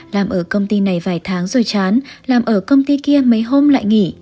làm ở công ty này vài tháng rồi chán làm ở công ty kia mấy hôm lại nghỉ